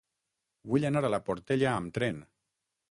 Vull anar a la Portella amb tren.